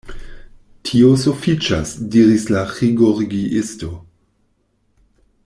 Tio sufiĉas, diris la ĥirurgiisto.